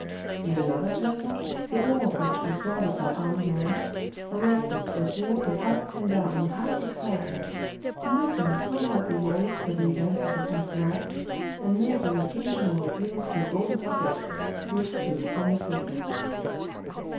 In another chamber, the door of which was guarded by armed men, Orestes was walking up and down in high excitement, looking somewhat the worse for the events of the past night, and making occasional appeals to a gold goblet which stood on the table.